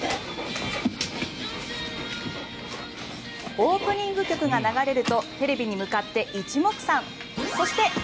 オープニング曲が流れるとテレビに向かって一目散。